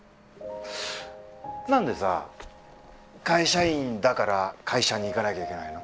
何でさ会社員だから会社に行かなきゃいけないの？